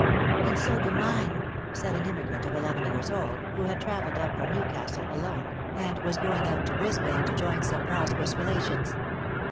" And so do mine," said an emigrant of eleven years old, who had travelled up from Newcastle alone, and was going out to Brisbane to join some prosperous relations.